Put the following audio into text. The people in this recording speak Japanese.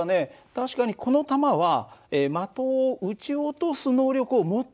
確かにこの弾は的を撃ち落とす能力を持っていた。